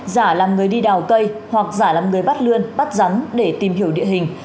giả làm người đi đào cây hoặc giả làm người bắt lươn bắt rắn để tìm hiểu địa hình